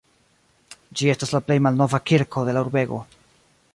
Ĝi estas la plej malnova kirko de la urbego.